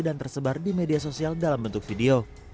dan tersebar di media sosial dalam bentuk video